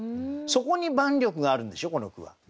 そこに万緑があるんでしょこの句は。